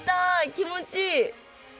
気持ちいい。